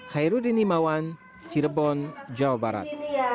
hairudin imawan cirebon jawa barat